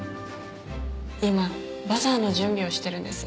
今バザーの準備をしてるんです。